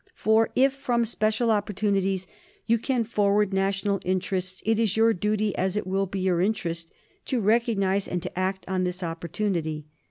For, if from special opportunities you can forward national interests, it is your duty, as it will be your interest, to recognise and to act on this opportunity.